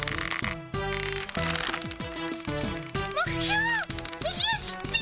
目標右足っピ！